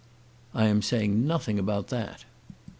"I am saying nothing about that."